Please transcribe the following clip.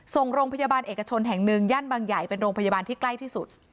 ส่งโรงพยาบาลเอกชนแห่งหนึ่งย่านบางใหญ่เป็นโรงพยาบาลที่ใกล้ที่สุด